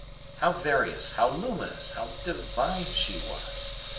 How various, how luminous, how divine she was!